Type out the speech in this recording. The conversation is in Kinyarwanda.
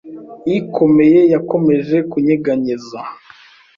ikomeye yakomeje kunyeganyeza